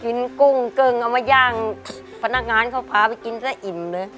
กุ้งกึ้งเอามาย่างพนักงานเขาพาไปกินซะอิ่มเลย